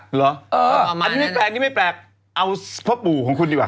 หรออันนี้ไม่แปลกเอาพ่อปู่ของคุณดีกว่า